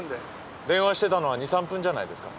電話してたのは２３分じゃないですか？